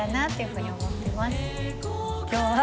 今日は。